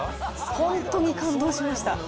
本当に感動しました。